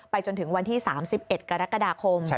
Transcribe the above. จนถึงวันที่๓๑กรกฎาคม